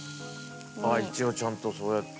一応ちゃんとそうやって。